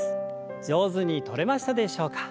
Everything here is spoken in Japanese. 上手にとれましたでしょうか。